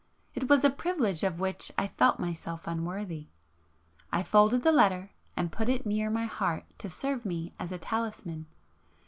—... it was a privilege of which I felt myself unworthy! I folded the letter and put it near my heart to serve me as a talisman